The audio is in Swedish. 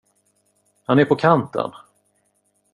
Han är på kanten!